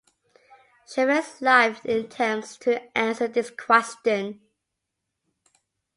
Shevek's life attempts to answer this question.